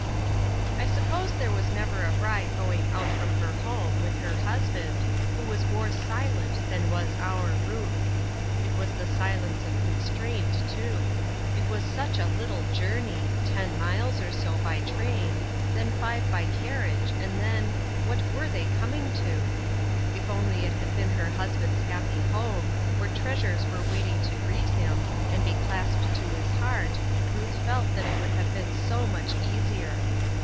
SUPPOSE there was never a bride going out from her home, with her husband, who was more silent than was our Ruth. It was the silence of constraint, too. It was such a little journey I ten miles or so, by train, then five by carriage, and then — what were they coming to ? If only it had been her husband's happy home, where treasures were waiting tc greet him, and be clasped to his heart, Ruth felt that it would have been so much easier.